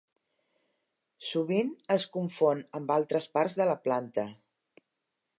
Sovint es confon amb altres parts de la planta.